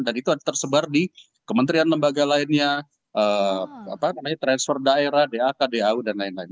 dan itu tersebar di kementerian lembaga lainnya transfer daerah dak dau dan lain lain